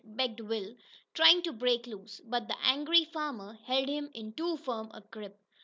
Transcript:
begged Will, trying to break loose. But the angry farmer held him in too firm a grip.